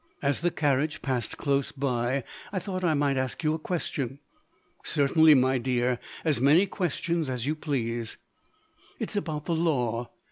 "As the carriage passed close by, I thought I might ask you a question." "Certainly, my dear! As many questions as you please." "It's about the law.